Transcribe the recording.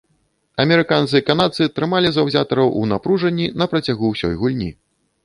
Амерыканцы і канадцы трымалі заўзятараў у напружанні на працягу ўсёй гульні.